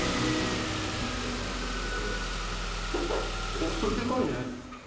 おっそれでかいね。